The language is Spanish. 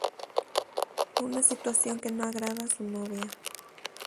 Una situación que no agrada a su novia.